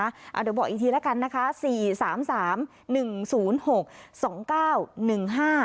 เดี๋ยวบอกอีกทีแล้วกันนะคะสี่สามสามหนึ่งศูนย์หกสองเก้าหนึ่งห้า